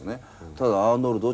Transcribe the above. ただアーノルド